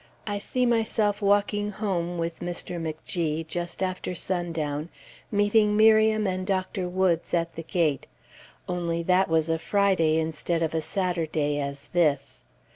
I see myself walking home with Mr. McG just after sundown, meeting Miriam and Dr. Woods at the gate; only that was a Friday instead of a Saturday, as this.